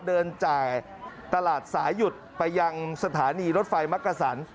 เดินจ่ายตลาดสายหยุดไปยังสถานีรถไฟมักกะสัน